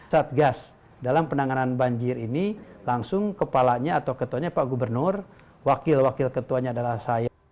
satgas dalam penanganan banjir ini langsung kepalanya atau ketuanya pak gubernur wakil wakil ketuanya adalah saya